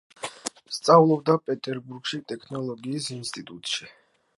სწავლობდა პეტერბურგში ტექნოლოგიის ინსტიტუტში.